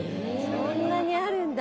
そんなにあるんだ。